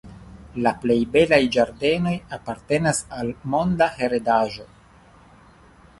La plej belaj ĝardenoj apartenas al Monda Heredaĵo.